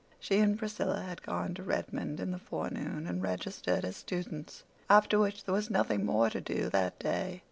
She and Priscilla had gone to Redmond in the forenoon and registered as students, after which there was nothing more to do that day.